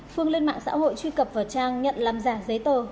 phương lên mạng xã hội truy cập vào trang nhận làm giả giấy tờ